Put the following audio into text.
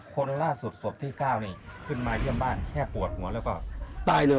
คนล่าสุดศพที่๙นี่ขึ้นมาเยี่ยมบ้านแค่ปวดหัวแล้วก็ตายเลย